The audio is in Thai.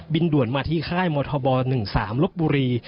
บินด่วนมาที่ค่ายมศ๑๓รกบุรี